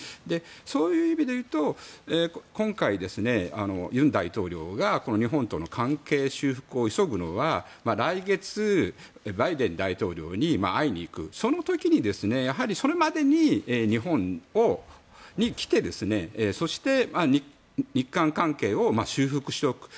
そういう意味でいうと今回、尹大統領が日本との関係修復を急ぐのは来月バイデン大統領に会いに行くその時にそれまでに日本に来てそして、日韓関係を修復しておく。